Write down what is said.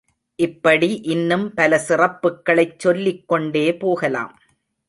இப்படி இன்னும் பல சிறப்புக்களைச் சொல்லிக் கொண்டே போகலாம்.